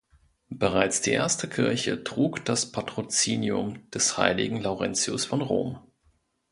Bereits die erste Kirche trug das Patrozinium des heiligen Laurentius von Rom.